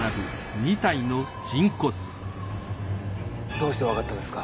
どうしてわかったんですか。